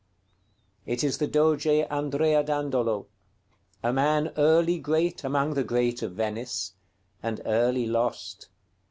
It is the Doge Andrea Dandolo, a man early great among the great of Venice; and early lost.